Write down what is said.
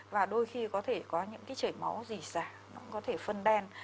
và đôi khi có thể có những cái chảy máu dì dà nó có thể phân đen